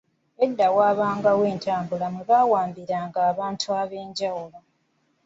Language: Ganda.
Edda waabangawo entabaalo mwe baawambiranga ebitundu eby'enjawulo.